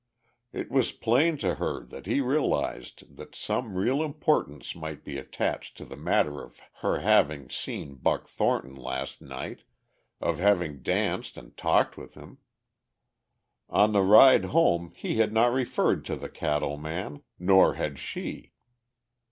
It was plain to her that he realized that some real importance might be attached to the matter of her having seen Buck Thornton last night, of having danced and talked with him. On the ride home he had not referred to the cattle man nor had she.